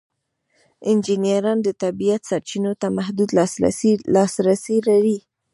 انجینران د طبیعت سرچینو ته محدود لاسرسی لري.